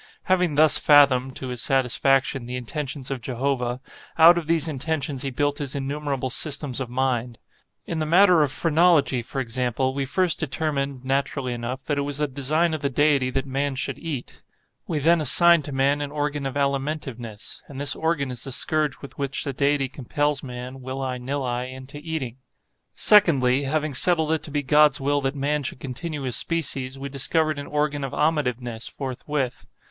Having thus fathomed, to his satisfaction, the intentions of Jehovah, out of these intentions he built his innumerable systems of mind. In the matter of phrenology, for example, we first determined, naturally enough, that it was the design of the Deity that man should eat. We then assigned to man an organ of alimentiveness, and this organ is the scourge with which the Deity compels man, will I nill I, into eating. Secondly, having settled it to be God's will that man should continue his species, we discovered an organ of amativeness, forthwith.